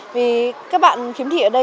vì các bạn khiếm thị ở đây